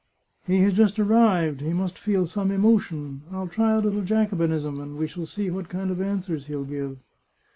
He has just arrived ; he must feel some emotion. I'll try a little Jacobinism, and we shall see what kind of answers he'll give."